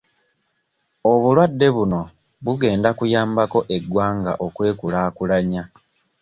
Obulwadde buno bugenda kuyambako eggwanga okwekulaakulanya.